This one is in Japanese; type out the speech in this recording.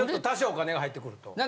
多少お金が入ってくると。